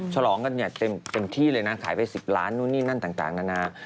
ฉลองกันเนี่ยเต็มที่เลยนะขายไป๑๐ล้านนู่นนี่นั่นต่างนานา